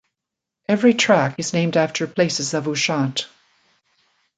Every track is named after places of Ushant.